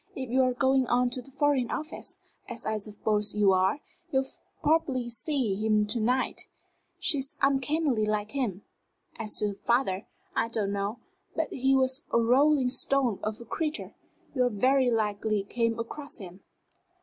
If you're going on to the Foreign Office, as I suppose you are, you'll probably see him to night. She is uncannily like him. As to her father, I don't know but he was a rolling stone of a creature; you very likely came across him."